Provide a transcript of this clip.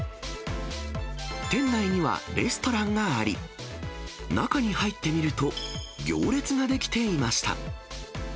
店内には、レストランがあり、中に入ってみると、行列が出来ていました。